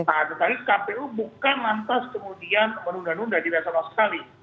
nah tetapi kpu bukan lantas kemudian menunda nunda tidak sama sekali